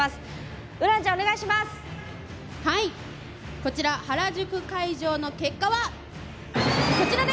こちら原宿会場の結果はこちらです！